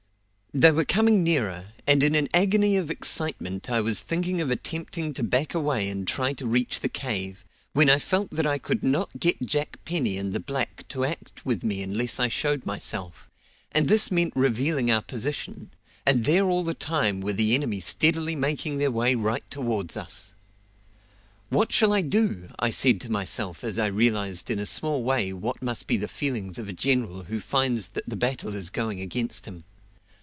They were coming nearer, and in an agony of excitement I was thinking of attempting to back away and try to reach the cave, when I felt that I could not get Jack Penny and the black to act with me unless I showed myself, and this meant revealing our position, and there all the time were the enemy steadily making their way right towards us. "What shall I do?" I said to myself as I realised in a small way what must be the feelings of a general who finds that the battle is going against him.